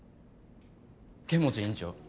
剣持院長